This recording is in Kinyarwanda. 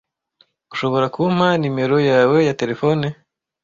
Ushobora kumpa numero yawe ya terefone?